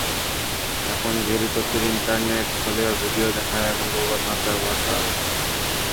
এখন ধীরগতির ইন্টারনেট হলেও ভিডিও দেখা এবং গুগল ম্যাপ ব্যবহার করা যাবে।